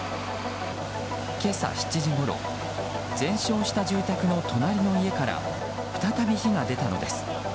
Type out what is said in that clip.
今朝７時ごろ、全焼した住宅の隣の家から再び火が出たのです。